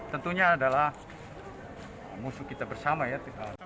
tentunya adalah musuh kita bersama ya